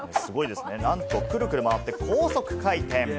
なんと、くるくる回って高速回転！